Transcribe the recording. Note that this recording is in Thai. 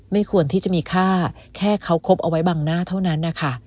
ควรที่จะมีค่าแค่เขาคบเอาไว้บังหน้าเท่านั้นนะคะ